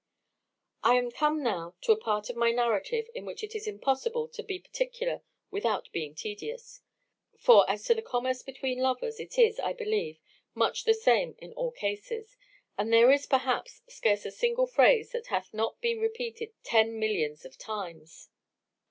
"I am come now to a part of my narrative in which it is impossible to be particular without being tedious; for, as to the commerce between lovers, it is, I believe, much the same in all cases; and there is, perhaps, scarce a single phrase that hath not been repeated ten millions of times.